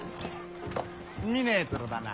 見ねえ面だな。